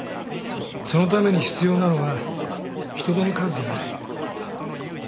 そのために必要なのは人手の数じゃない。